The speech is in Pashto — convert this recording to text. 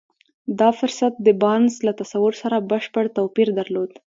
دا فرصت د بارنس له تصور سره بشپړ توپير درلود.